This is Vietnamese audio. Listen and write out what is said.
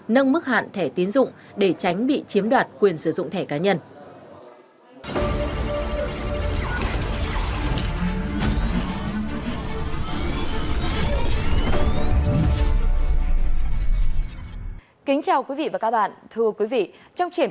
nâng mức hạn thẻ tiến dụng để tránh bị chiếm đoạt quyền sử dụng thẻ cá nhân